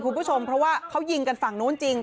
คุณผู้ชมเพราะว่าเขายิงกันฝั่งนู้นจริง